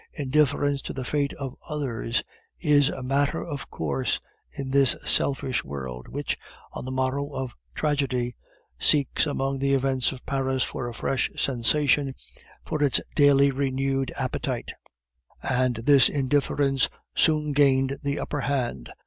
Indifference to the fate of others is a matter of course in this selfish world, which, on the morrow of tragedy, seeks among the events of Paris for a fresh sensation for its daily renewed appetite, and this indifference soon gained the upper hand.